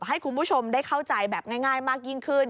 ให้คุณผู้ชมได้เข้าใจแบบง่ายมากยิ่งขึ้น